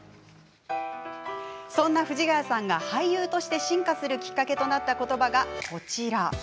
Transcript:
そんな藤ヶ谷さんが俳優として進化するきっかけとなった言葉が、こちら。